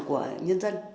của nhân dân